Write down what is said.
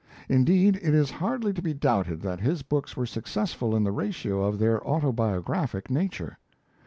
Indeed, it is hardly to be doubted that his books were successful in the ratio of their autobiographic nature.